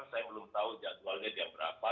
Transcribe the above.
saya belum tahu jadwalnya jam berapa